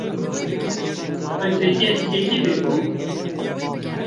Xwendegeh kengî vebû?